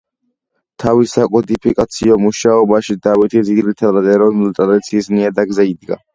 თავის საკოდიფიკაციო მუშაობაში დავითი ძირითადად ეროვნული ტრადიციის ნიადაგზე იდგა.